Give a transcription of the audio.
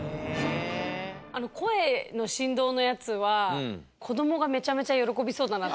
声の振動のやつは子どもがめちゃめちゃ喜びそうだなと思って。